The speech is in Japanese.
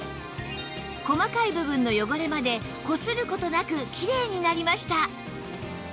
細かい部分の汚れまでこする事なくきれいになりました